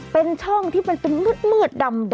เป็นช่องที่มันเป็นมืดดำ